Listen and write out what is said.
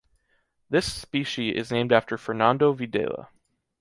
This specie is named after Fernando Videla.